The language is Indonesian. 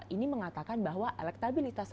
ini mengatakan bahwa elektabilitas